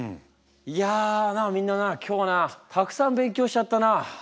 いやなあみんなな今日なたくさん勉強しちゃったな。